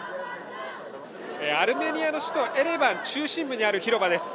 アルメニアの首都エレバン中心部にある広場です。